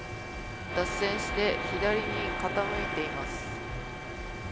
脱線して、左に傾いています。